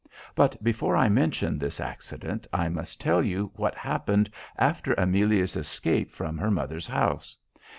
But before I mention this accident I must tell you what happened after Amelia's escape from her mother's house.